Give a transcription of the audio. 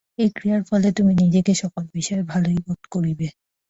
এই ক্রিয়ার ফলে তুমি নিজেকে সকল বিষয়ে ভালই বোধ করিবে।